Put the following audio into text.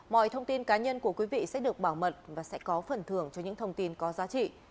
mọi thông tin cá nhân của quý vị sẽ được bảo mật và sẽ có phần thưởng cho những thông tin có giá trị